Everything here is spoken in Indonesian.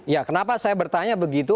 ya kenapa saya bertanya begitu